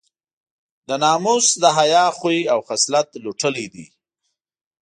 د ناموس د حیا خوی او خصلت لوټلی دی.